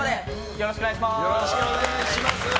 よろしくお願いします！